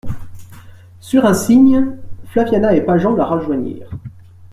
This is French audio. Sur un signe, Flaviana et Pageant la rejoignirent.